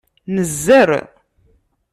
Nezder.